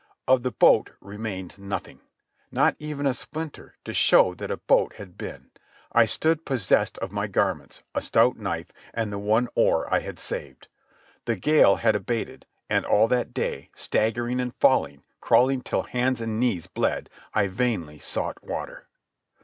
Of the boat remained nothing—not even a splinter to show that a boat had been. I stood possessed of my garments, a stout knife, and the one oar I had saved. The gale had abated, and all that day, staggering and falling, crawling till hands and knees bled, I vainly sought water.